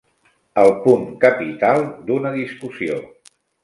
El punt capital d'una discussió.